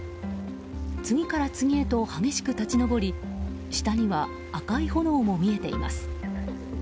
次から次へと激しく立ち上り下には赤い炎も見えています。